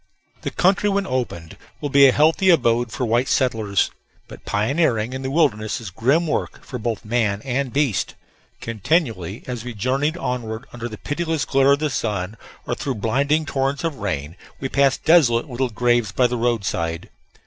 The country when opened will be a healthy abode for white settlers. But pioneering in the wilderness is grim work for both man and beast. Continually, as we journeyed onward, under the pitiless glare of the sun or through blinding torrents of rain, we passed desolate little graves by the roadside.